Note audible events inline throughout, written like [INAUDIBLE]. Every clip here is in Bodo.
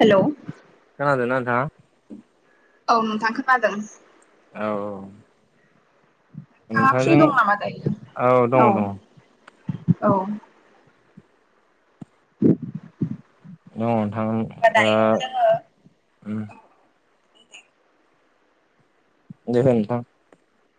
हेलौ औ खोनादोंना नोंथां औ नोंथां खोनादों औ फ्रि दं नामा दायो औ औ नोंथांजों औ दङ दङ औ-औ [INAUDIBLE] [UNINTELLIGIBLE] दङ होमबा दायो जोङो नोंथां [INAUDIBLE] [UNINTELLIGIBLE] जखो नोंथांं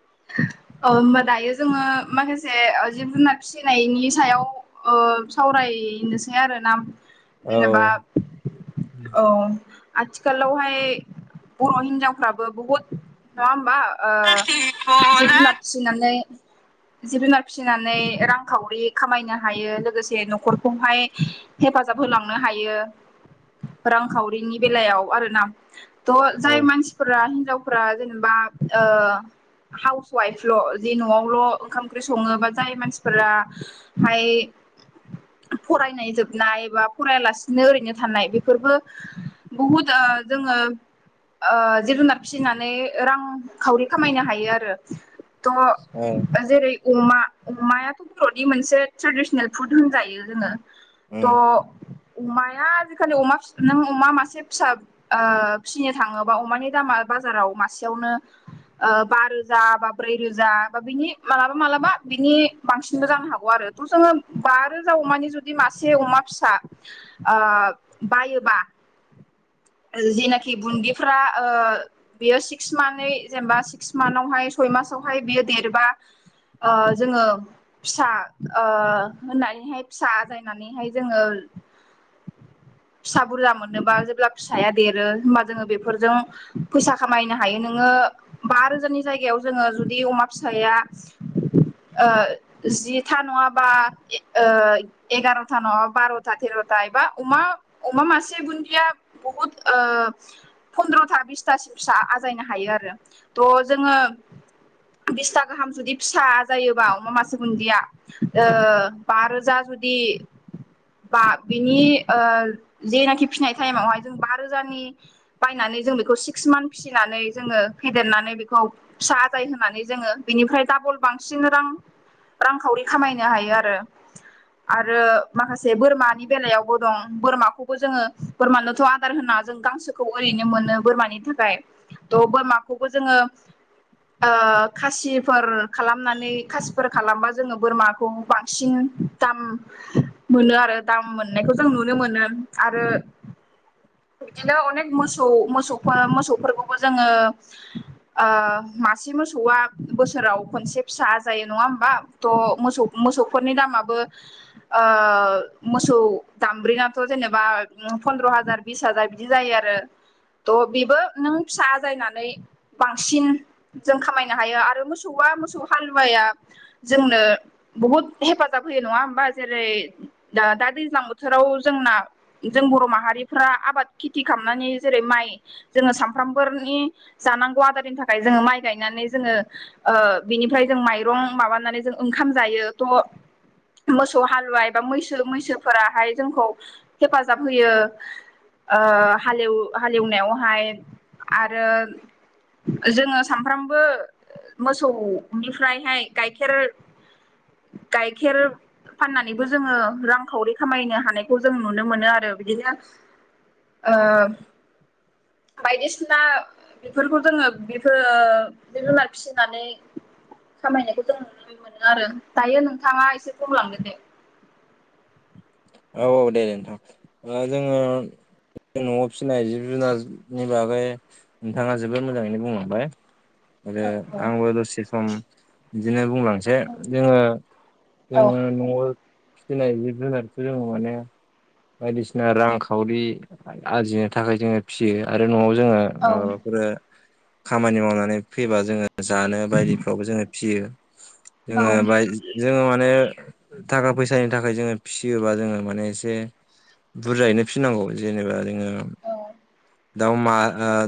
[INAUDIBLE] [UNINTELLIGIBLE] ओ होमबा दायो जोङो माखासे जिब जुनार फिसिनायनि सायाव सावराय नोसै आरो ना जेनेबा औ आथिखालावहाय बर' हिनजावफ्राबो बहुद नङा होमबा जिब जुनार फिसिनानै जिब जुनार फिसिनानै रांखावरि खामायनो हायो लोगोसे न'खरखौहाय हे हेफाजाब होलांनो हायो रांखावरिनि बेलायाव आरो ना थ' औ जाय मानसिफोरा हिनजावफोरा जेनेबा हाउस वाइफल' जे न'आवल' ओंखाम ओंख्रि सङोबा जाय मानसिफोराहाय फरायनाय जोबनाय बा फरायालासिनो ओरैनो थानाय बेफोरबो बहुद ओ जोङो ओ जिब जुनार फिसिनानै रांखावरि खामायनो हायो आरो ओ औ त जेरै अमा अमायाथ' बर'नि मोनसे ट्रेडिसनेल फुद होनजायो जोङो त' उम अमाया आजिखालि अमा नों अमा मासे फिसा ओ फिसिनो थाङोबा अमानि दामा बाजाराव मासेयावनो ओ बा रो जा बा ब्रै रोजा बा बिनि मालाबा मालाबा बिनि बांसिनबो जानो हागौ आरो थ' जोङो बा रोजा अमानि जुदि मासे अमा फिसा ओ बायोबा [UNINTELLIGIBLE] जिनाखि बुन्दिफोरा ओ बेयो सिक्स मान्थनै जेनेबा सिक्स मान्थाव हाय सय मासावहाय बियो देरबा ओ जोङो फिसा ओ होननानैहाय फिसा आजायनानैहाय जोङो [UNINTELLIGIBLE] फिसा बुरजा मोननोबा जेब्ला फिसाया देरो होमबा जोङो बेफोरजों फैसा खामायनो हायो नोङो ङो बा रोजानि जायगायाव जोङो जुदि अमा फिसाया ओ जिथा नङाबा ए ओ एगार'था नङाबा बार'था थेर' यबा अमा अमा मासे बुन्दिया बहुत ओ फन्द्र'था बिसथासिम फिसा आजायनो हायो आरो थ' जोङो बिसथा गाहाम जुदि फिसा जायोबा अमा मासे गुन्दिया ओ बा रोजा गुदि बा बिनि ओ जेनाखि फिनाय टाइमावहाय जों बा रोजानि बायनानै जों बेखौ सिक्स मानथ फिसिनानै जोङो फेदेरनानै बेखौ खौ फिसा आजाय होनानै जोङो बेनिफ्राय डाबल बांसिन रां रांखावरि खामायनो हायो आरो आरो माखासे बोरमानि बेलायावबो दं बोरमाखौबो जोङो बोरमानोथ' आदार होनां आजों गांसोखौ ओरैनो मोनो बोरमानि थाखाय थ' बोरमाखौबो जोङो ओ खासिफोर खालामनानै खासिफोर खालामबा जोङो बोरमाखौ बांसिन दाम मोनो आरो दाम मोननायखौ जों नुनो मोनो आरो बिदिनो अनेक मोसौ मोसौफो मोसौफोरखौबो जोङो ओ मासे मोसौआ बोसोराव खनसे फिसा जायो नङा होमबा थ' मोसौ मो सौफोरनि दामाबो ओ मोसौ दामब्रिनाथ' जेनेबा ओफ फन्द्र' हाजार बिस हाजार बिदि जायो आरो थ' बिबो नों फिसा आजायनानै बांसिन जों खामायनो हायो आरो मोसौआ मोसौ हालुवाया जोंनो बुहुत हेफाजाब होयो नङा होमबा जेरै दा दादैज्लां बोथोराव जोंना जों बर' माहारिफ्रा आबाद खेथि खामनानै जेरै माइ जोङो सामफ्रामबोनि जानां आदारनि थाखाय जोङो माइ गायनानै जोङो ओ बिनिफ्राय जों माइरं माबानानै जों ओंखाम जायो यो थ' मोसौ हालुवा एबा मैसो मैसोफोराहाय जोंखौ हेफाजाब होयो ओ हालेव हालेवनायावहाय आरो जोङो सामफ्रामबो मोसौनिफ्रायहाय गाइखेर [UNINTELLIGIBLE] गाइखेर फाननानैबो जोङो रांखावरि खामायनो हानायखौ जों नुनो मोनो आरो बिदिनो ओ बायदिसिना बेफोरखौ जोङो बेफोर ओ जिब जुनार फिसिनानै खामायनायखौ जों नुनो मोनो आरो। दायो नोंथाङा एसे खमलांदो दे [UNINTELLIGIBLE] औ औ दे नोंथां ओ जोङो न'आव फिसिनाय जिब जुनारनि बागै नोंथाङा जोबोद मोजाङैनो बुंलांबाय। आरो आंबो दसे सम बिदिनो बुंलांसै जोङो औ -जोङो न'आव फिसिनाय जिब जुनार जों माने बायदिसिना रांखावरि आरजिनो थाखाय जोङो फिसियो आरो न'आव जों जोङो औ माबाफोर खामानि मावनानै फैबा जोङो जानो बायदिफ्रावबो जोङो फिसियो। औ जोङो बाय जोङो माने थाखा फैसानि थाखाय जोङो फिसियोबा जोङो माने एसे बुरजायैनो फिनांगौ जेनेबा जोङो दाउ मा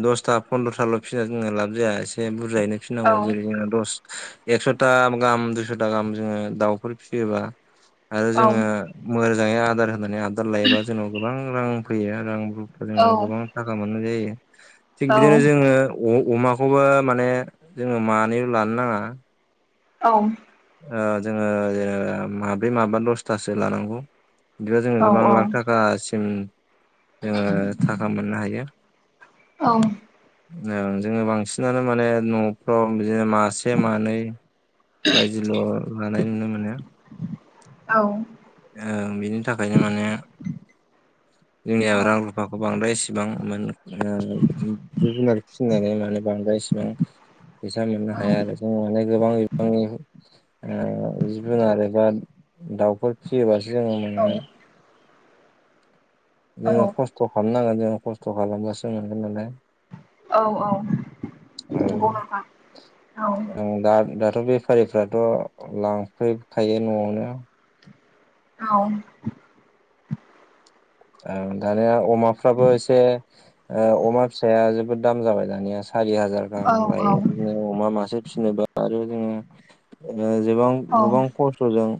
दसथा फन्द्रथाल' फिना जोङो लाब जाया एसे बुरजायैनो औ फिनांगौ जेरै जोंना दस एकस'था गाहाम दुइस'था गाहाम जोङो दाउफोर फिसियोबा आरो औ जोङो मोजाङै आदार होनानै आबदाल लायोबा जोंनाव गोबां रां फैयो रां जों गोबां थाखा मोननाय जायो थिग बिदिनो औ जोङो अ अमाखौबो माने जोङो मानैल' लानो नाङा। औ। ओ जोङो ओ माब्रै माबा दसथासो लानांगौ। बिदिबा जोङो औ गोबां औ लाख थाखासिम जों थाखा मोननो हायो। औ। जोङो जों बांसिनानो माने न'फ्राव बिदिनो मासे मानै बायदिल' लानाय नुनो मोनो। औ। ओ बिनि थाखायनो माने जोंनि रां रुफाखौ बांद्राय इसेबां मोन ओ जिब जुनार फिसिनानै माने बांद्राय इसेबां फैसा मोननो हाया आरो जों माने गोबां बिबांनि ओ जिब जुनार एबा दाउफोर फिसियोबासो जोङो औ मोननो जोङो औ खस्थ' खालामनांगोन जोङो खस्थ' खालामबासो मोनगोन नालाय। औ औ। औ नंगौ नोंथां औ दा दाथ' बे बेफारिफ्राथ' लांफैखायो न'आवनो औ ओ दानिया अमाफ्राबो एसे अमा फिसाया जोबोद दाम जाबाय दानिया सारि हाजार औ गाहाम औ लायो बिदिनो अमा मासे फिसिनोबा आरो जोङो ओ गोबां- औ गोबां खस्थ'जों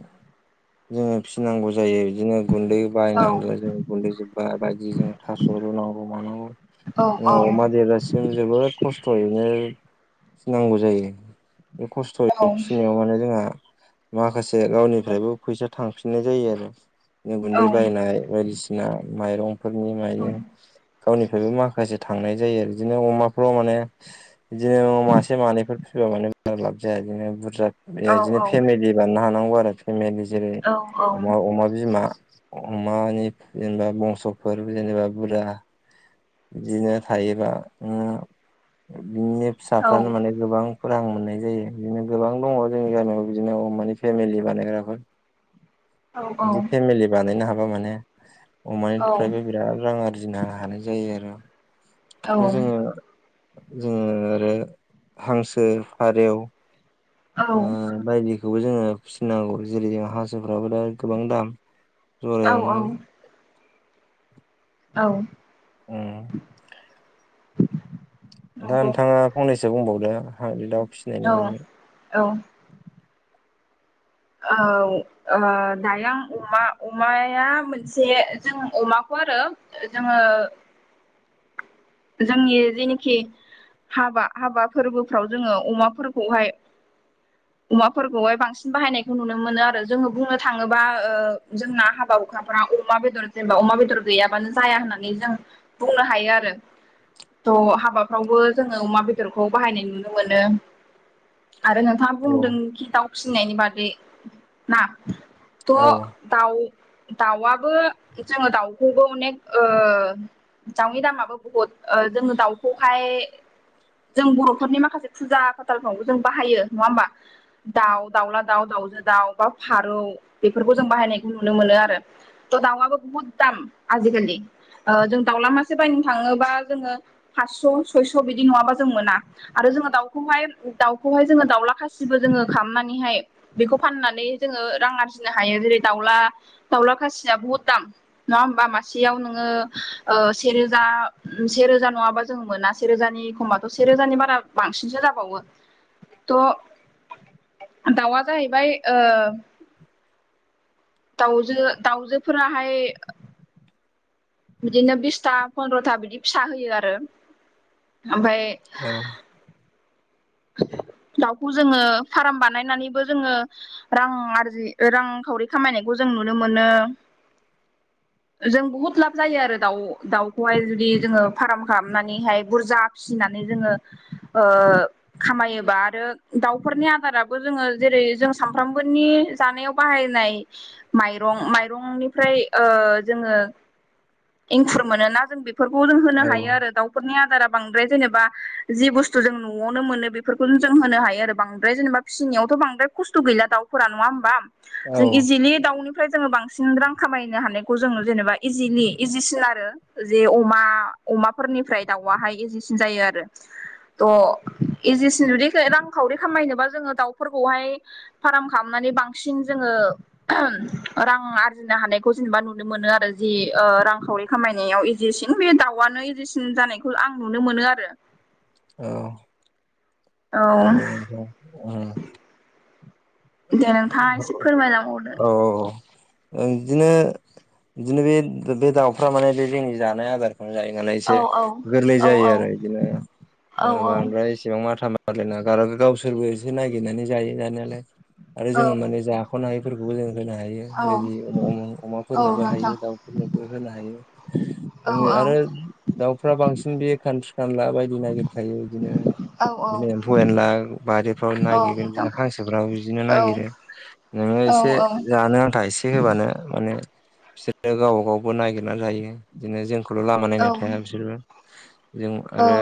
जोंङो फिसिनांगौ जायो बिदिनो गुन्दै औ बायनांगौ जों गुन्दै जोब्बा बायदि जों थास' रूनांगौ मानांगौ [INAUDIBLE] जों अमा देरजासिम जोबोद खस्थ' खस्थ'यैनो फिसिनांगौ जायो बे खस्थ'यै फिसिनायाव माने जोंहा माखासे गावनिफ्रायबो फैसा थांफिननाय जायो आरो। गुन्दै बायनाय बायदिसिना माइरंफोरनि माइ गावनिफ्रायबो माखासे थांनाय जायो आरो बिदिनो अमाखौ माने बिदिनो मासे मानैफोरल' फिबा माने बुर्जा लाब जाया बिदिनो बुरजा औ बिदिनो फेमिलि बानायनो हानांगौ आरो फेमिलि जेरै अमा अमा बिमा अमानि जेनेबा बंस'फोर जेनेबा बुरजा बिदिनो थायोबा ओ बिनो फिसाफ्रानो माने गोबां फोर आं मोननाय जायो बिदिनो गोबां दङ जोंनि गामियाव बिदिनो अमानि फेमिलि बानायग्राफोर। बिदि फेमिलि बानायनो हाबा माने अमानिफ्रायबो बिराद रां आरजिनो हानाय जायो आरो बे जोङो जोङो आरो हांसो फारेव ओ बायदि बेखौबो जोङो फिसिनांगौ जेरै जों हासोफ्राबो दा गोबां दाम औ औ जरायावनो औ उम दा नंगौ नोंथाङा फंनैसो बुंबावदो आंनि दाव औ फिसिनायनि बागै औ ओ दायो आं अमा अमाया मोनसे जों अमाखौ [UNINTELLIGIBLE] जोङो जोंनि जेनोखि हाबा हाबा फोरबोफ्राव जोङो अमाफोरखौहाय अमाफोरखौहाय बांसिन बाहायनायखौ नुनो मोनो आरो जोङो बुंनो थाङोबा ओ जोंना हाबा हुखाफोराव अमा बेदर जेनेबा अमा बेदर गैयाबानो जाया होननानै जों बुंनो हायो आरो थ' हाबाफ्रावबो जोङो अमा बेदरखौ बाहायनाय नुनो मोनो आरो नोंथाङा औ बुंदोंखि दाउ फिसिनायनि बादै ना? द औ दाउ दाउआबो जोङो दाउखौबो अनेक ओ दाउनि दामाबो बुहुद ओ जोङो दाउखौहाय जों बर'फोरनि माखासे फुजा फाथालफ्रावबो जों बाहायो नङा होमबा दाउ दाउला दाउ दाउ दावजो दाउ बा फारौ बेफोरखौ जों बाहायनायखौ नुनो मोनो आरो थ' दाउआबो बुहुद दाम आजिखालि ओ जों दाउला मासे बायनो थाङोबा जोंङो पासस' सयस' बिदि नंङाबा जों मोना आरो जोङो दावखौहाय दावखौहाय जोंङो दावला दाउला खााससिबो जोङो खालामनानैहाय बेखौ फाननानै जोङो रां आरजिनो हायो जेरै दाउला दाउला खासिया बहुद दाम नङा होमबा मासेयाव नोङो ओ सेरोजा सेेरोजा नङाबा जों मोना सेरोजानि एखमबाथ' सेरोजानि बारा बांसिनसो जाबावो थ' दाउआ जाहैबाय ओ दाउजो दाउजोफोराहाय [UNINTELLIGIBLE] बिदिनो बिसथा फन्द्र'था बिदि फिसा होयो आरो ओमफ्राय औ हो [UNINTELLIGIBLE] दाउखौ जोङो फाराम बानायनानैबो जोङो रां आरजि रांखावरि खामायनायखौ ज [UNINTELLIGIBLE] नुनो मोनो जों बहुत लाब जायो आरो दाउ दाउखौहाय जुदि जोङो फार्म खालामनानैहाय बुरजा फिसिना जोङो ओ खामायोबा आरो दाउफोरनि आबाराबो जोङो जेरै जों सामफ्रामबोनि जानायाव बाहाय [UNINTELLIGIBLE] माइरं माइरंनिफ्राय ओ जोङो इंखुर मोनोना जों बे फोरखौ जों होनो औ हायो आरो दाउफोरनि आदारा बांद्राय जेनेबा जि बुस्थु जों न'आवनो मोनो बेफोरखौनो जों होनो हायो आरो बांद्राय जेनेबा फिसिनायावथ' बांद्राय खस्थ' गैला दाफोरा नङा होमबा औ जों इजिलि दाउनो ओमफ्राय जोङो बांसिन रां खामायनो हानायखौ जोङो जेनेबा इजिलि इजिसिन आरो जे अमा अमाफोरनिफ्राय दाउवाहाय एजेसिन जायो आरो थ' इजिसिन जुदि रांखावरि खामायनोबा जोङो दाउफोरखौहाय फाराम खालामनानै बांसिन जोङो [UNINTELLIGIBLE] ओहोम रां आरजिनो हानायखौ जेनेबा नुनो मोनो आरो जि ओ रांखावरि खामायनायाव एजेसिन बे दाउआनो एजेसिन जानायखौ आं नुनो मोनो आरो औ औ [UNINTELLIGIBLE] दे नोंथाङा एसे फोरमायलांहरदो [UNINTELLIGIBLE] औ बिदिनो बिदिनो बे बे दाउफ्रा माने बे जोंनि जानाय आदार जायो नालाइसे औ औ गोरलै औ जायो औ आरो बिदिनो औ बांद्राय इसेबां माथा मा बारलायना गार गावसोरबो एसे नागिरनानै जायो जानायालाय आरो औ जोङो माने जाख'नो हायैफोरखौ बेखौ जों होनो हायो औ बेबायदि औ अमाफोरनोबो हायो नोंथां दाउफोरनोबो होनो हायो। औ जो आरो दाउफ्रा बांसिन बेयो खानस्रि खानला बायदि नागिरखायो औ बिदिनो एम्फौ एनला बारिफ्राव औ नागिरगोन नोंथां बिदिनो हांसोफ्राबो बि औ नागिरो नोङो औ एसे जानो आन्था एसे होबानो बिसोरो गावबा गावबो नागिरना जायो। बिदिनो जोंखौल' लामा औ नायना थाया बिसोरबो जों आरो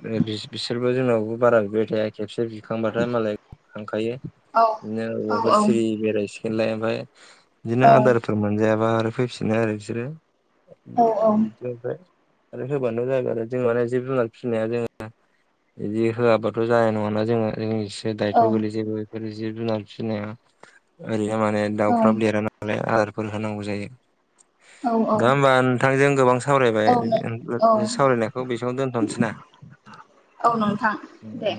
जोङो बिस बिसोरबो जोंहाबो बारा बिबाय थाया खेबसे बिखांबाथाय मालाय खांखायो नो औबवाफोर औ सिरि बेराय थिनलाइ ओमफाय बिदिनो आदारफोर मोनजायाबा आरो फैफिनो आरो बिसोरो औ औ [UNINTELLIGIBLE] आरो होबानो जागोन आरो जों माने जिब जुनार फिनाया जों बिदि होआबाथ' जाया नङाना जोङो से औ दायथ' गोगलै जेबो बेफोर जिब जुनार फिसिनाया ओरै थारमाने औ दाउफ्रा देरा नालाय आदारफोर होनांगौ जायो। औ गा होमबा नोंथांजों गोबां सावरायबाय औ औ सावरायनायखौ बेसेयावनो दोनथ'नोसै ना? औ नोंथां दे।